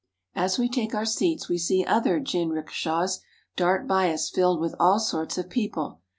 As we take our seats we see other jinrikishas dart by us filled with all sorts of people.